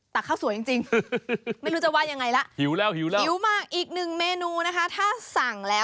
ตักข้าวสวยจริงไม่รู้จะว่ายังไงล่ะ